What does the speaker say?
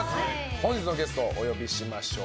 本日のゲストをお呼びしましょう。